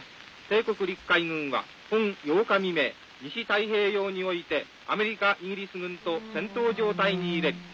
帝国陸海軍は本８日未明西太平洋においてアメリカイギリス軍と戦闘状態に入れり。